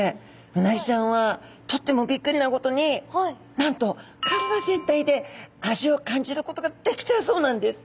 うなぎちゃんはとってもびっくりなことになんと体全体で味を感じることができちゃうそうなんです。